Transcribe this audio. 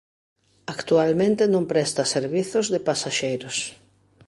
Actualmente non presta servizos de pasaxeiros.